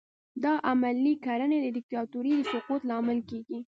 دا عملي کړنې د دیکتاتورۍ د سقوط لامل کیږي.